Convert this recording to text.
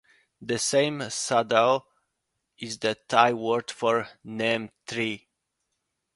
The name Sadao is the Thai word for Neem Tree.